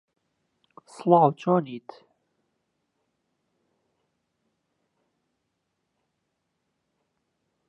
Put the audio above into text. There are conflicting reports on the circumstances of Low's death.